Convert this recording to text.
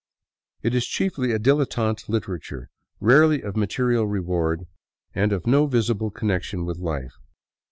It is chiefly a dilettante literature, rarely of material reward and of no visible connection with life.